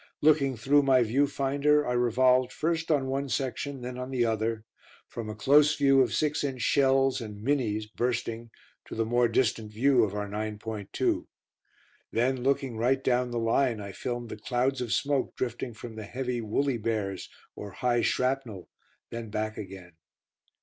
Looking through my view finder, I revolved first on one section then on the other; from a close view of 6 inch shells and "Minnies" bursting to the more distant view of our 9.2. Then looking right down the line, I filmed the clouds of smoke drifting from the heavy (woolly bears) or high shrapnel, then back again.